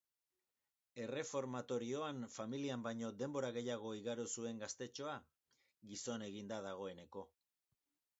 Erreformatorioan familian baino denbora gehiago igaro zuen gaztetxoa, gizon egin da dagoeneko.